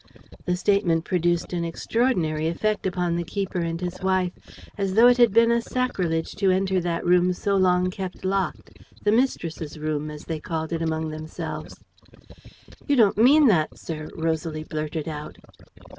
The statement produced an extraordinary effect upon the keeper and his wife, as though it had been a sacrilege to enter that room so long kept locked, the mistress' room, as they called it among themselves. "You don't mean that, sir!" Rosalie blurted out.